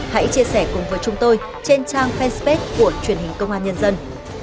hãy chia sẻ cùng với chúng tôi trên trang fanpage của truyền hình công an nhân dân